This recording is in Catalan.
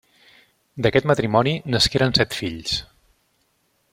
D’aquest matrimoni nasqueren set fills.